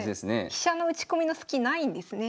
飛車の打ち込みのスキないんですね。